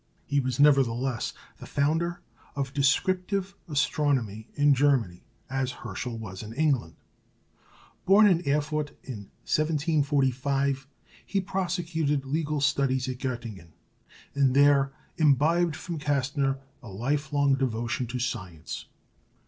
He was, nevertheless, the founder of descriptive astronomy in Germany, as Herschel was in England. Born at Erfurt in 1745, he prosecuted legal studies at Göttingen, and there imbibed from Kästner a life long devotion to science.